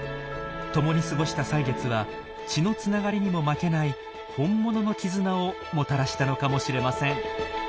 共に過ごした歳月は血のつながりにも負けない本物の絆をもたらしたのかもしれません。